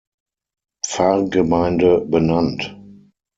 Pfarrgemeinde benannt.